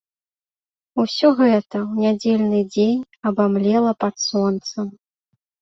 Усё гэта ў нядзельны дзень абамлела пад сонцам.